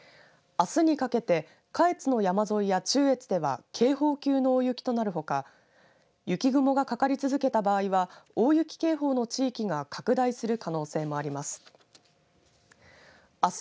あすにかけて下越の山沿いや中越では警報級の大雪となるほか雪雲がかかり続けた場合は大雪警報の地域が拡大する可能性もあります。